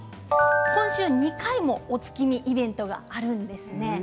今週２回もお月見イベントがあるんです。